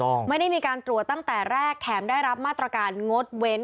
ไม่ได้มีการตรวจตั้งแต่แรกแถมได้รับมาตรการงดเว้น